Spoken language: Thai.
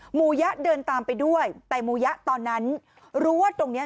หมูยะเดินตามไปด้วยแต่หมูยะตอนนั้นรู้ว่าตรงเนี้ย